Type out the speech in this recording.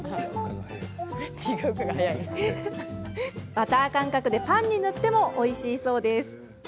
バター感覚でパンに塗ってもおいしいそうです。